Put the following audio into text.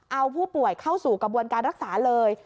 เอาผู้ป่วยเข้าสู่กระบวนการรักษาเลย